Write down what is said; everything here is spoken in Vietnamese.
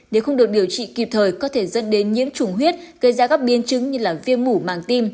nếu không được điều trị kịp thời có thể dẫn đến nhiễm chủng huyết gây ra các biến chứng như viêm mủ màng tim